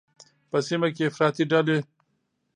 په سیمه کې افراطي ډلې